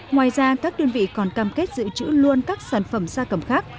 ngoài ra các đơn vị còn cam kết dự trữ luôn các sản phẩm xa cầm khác